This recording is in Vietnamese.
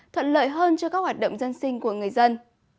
thuận lợi hơn cho các hoạt động dân sinh của người dân